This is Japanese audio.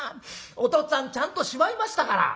おとっつぁんちゃんとしまいましたから」。